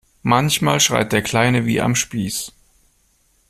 Manchmal schreit der Kleine wie am Spieß.